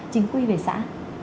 chính quy về xã